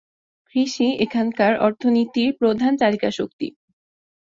কৃষি এখানকার অর্থনীতির প্রধান চালিকা শক্তি।